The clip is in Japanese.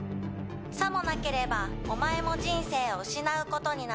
「さもなければお前も人生を失う事になる」